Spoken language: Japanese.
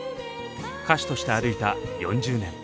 歌手として歩いた４０年。